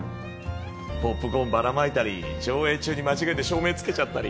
ポップコーンばらまいたり上映中に間違えて照明つけちゃったり。